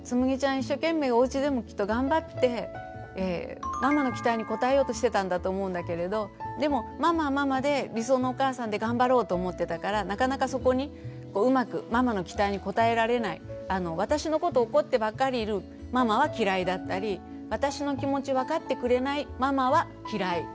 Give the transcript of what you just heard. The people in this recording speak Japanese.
一生懸命おうちでもきっと頑張ってママの期待に応えようとしてたんだと思うんだけれどでもママはママで理想のお母さんで頑張ろうと思ってたからなかなかそこにうまくママの期待に応えられない私のことを怒ってばっかりいるママは嫌いだったり私の気持ち分かってくれないママは嫌い。